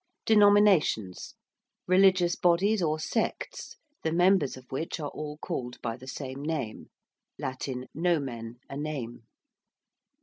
~Denominations~: religious bodies or sects, the members of which are all called by the same name. (Latin nomen, a name.)